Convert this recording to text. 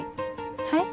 はい？